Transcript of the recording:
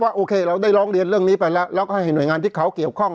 โอเคเราได้ร้องเรียนเรื่องนี้ไปแล้วแล้วก็ให้หน่วยงานที่เขาเกี่ยวข้อง